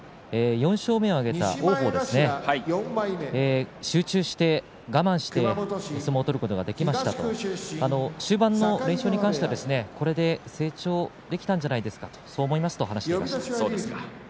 ４勝目を挙げた王鵬ですが集中して我慢して相撲を取ることができましたと終盤の連勝に関してはこれで成長できたんじゃないかと話していました。